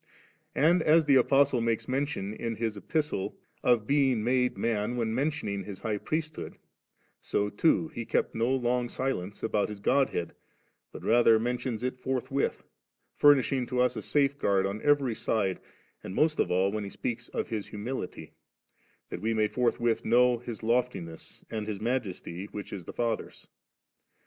And as the Apostle makes men tion in his Epistle of His being made man when mentioning His High PriesUiood, so too he kept no long silence about His Godhead, but rather mentions it forthwith, furnishing to us a safeguard on every side^ and most of all when he speaks of His humility, that we may forthwidi know His loftiness and His majesty which is the Father's.